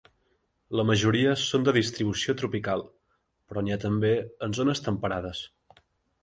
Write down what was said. La majoria són de distribució tropical però n'hi ha també en zones temperades.